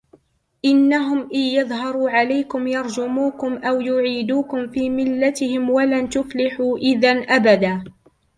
إنهم إن يظهروا عليكم يرجموكم أو يعيدوكم في ملتهم ولن تفلحوا إذا أبدا